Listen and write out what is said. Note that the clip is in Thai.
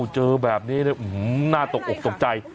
เจอแบบนี้แล้วหน้าตกอกตกใจ